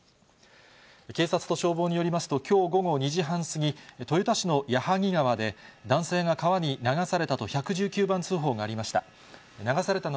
警察と消防によりますと、きょう午後２時半過ぎ、豊田市の矢作川で、男性が川に流されたと１１９番通報がありました。